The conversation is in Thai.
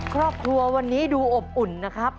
ครอบครัววันนี้ดูอบอุ่นนะครับ